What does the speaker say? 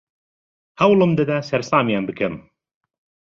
هەوڵم دەدا سەرسامیان بکەم.